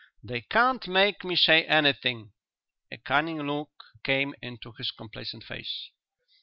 "They can't make me say anything." A cunning look came into his complacent face.